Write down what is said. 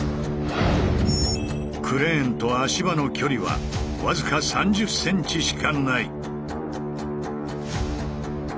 クレーンと足場の距離は僅か３０ｃｍしかない。